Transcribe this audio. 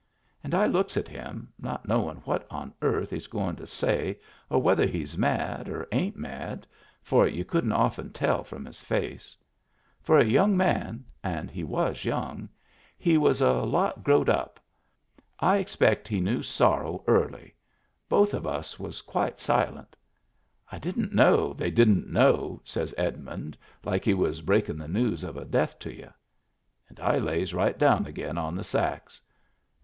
And I looks at him, not knowin' what on earth he's goin' to say or whether he's mad or ain't mad — for y'u couldn't often tell from his face. For a young man — and he was young — he was a lot growed Digitized by Google WHERE IT WAS 243 up. I expect he knew sorrow early. Both of us was quite silent " I didn't know they didn't know," says Edmund, like he was breaking the news of a death to y'u. And I lays right down again on the sacks.